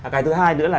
cái thứ hai nữa